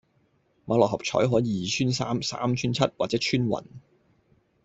買六合彩可二串三、三串七或者穿雲